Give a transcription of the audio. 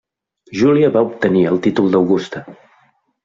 Júlia va obtenir el títol d'Augusta.